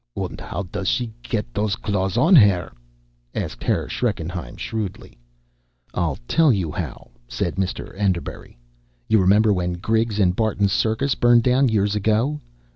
"Und how does she get those claws on her?" asked Herr Schreckenheim shrewdly. "I'll tell you how," said Mr. Enderbury. "You remember when Griggs' & Barton's Circus burned down years ago?